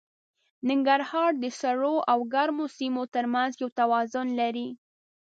ننګرهار د سړو او ګرمو سیمو تر منځ یو توازن لري.